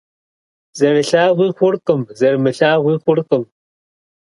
Зэрылъагъуи хъуркъым, зэрымылъагъууи хъуркъым.